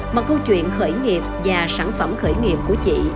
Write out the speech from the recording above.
mà câu chuyện khởi nghiệp và sản phẩm khởi nghiệp của chị